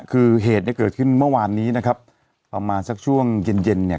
คือเหตุเนี่ยเกิดขึ้นเมื่อวานนี้นะครับประมาณสักช่วงเย็นเย็นเนี่ย